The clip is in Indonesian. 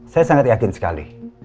saya sangat yakin sekali